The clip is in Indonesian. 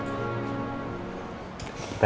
sama sama melahirkan kita